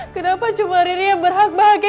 kenapa cuma riri yang berhak bahagia